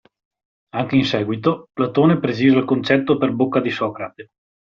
Anche in seguito, Platone precisa il concetto per bocca di Socrate.